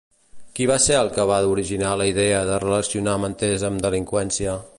Qui va ser el que va originar la idea de relacionar manters amb delinqüència?